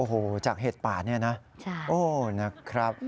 โอ้โหจากเห็ดป่านี่นะโอ้นะครับ